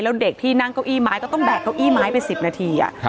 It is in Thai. แล้วเด็กที่นั่งเก้าอี้ไม้ก็ต้องแบกเก้าอี้ไม้ไป๑๐นาที